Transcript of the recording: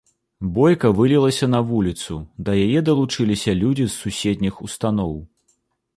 Бойка вылілася на вуліцу, да яе далучыліся людзі з суседніх устаноў.